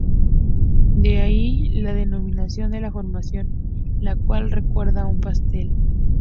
De ahí la denominación de la formación, la cual recuerda a un pastel.